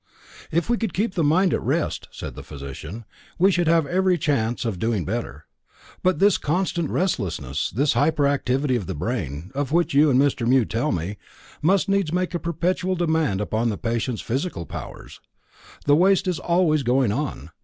"If we could keep the mind at rest," said the physician, "we should have every chance of doing better; but this constant restlessness, this hyper activity of the brain, of which you and Mr. Mew tell me, must needs make a perpetual demand upon the patient's physical powers. The waste is always going on.